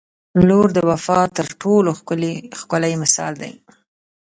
• لور د وفا تر ټولو ښکلی مثال دی.